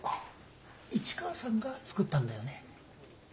市川さんが作ったんだよね。